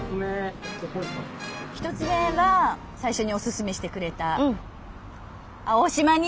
１つ目は最初におすすめしてくれた青島に。